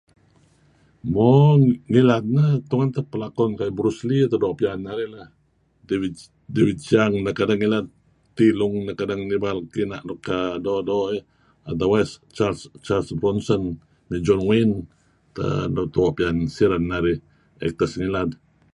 Mo ngilad neh tun teh pelakon kayu' Bruce Lee teh doo' piyan narih lah, David Siang neh kedeh ngilad, Tee Loong neh kedeh ngan ibal kina' nuk err doo'-doo' eh. otherwise Charles Bronson, John Wayne teh doo' piyan siren narih actors ngilad.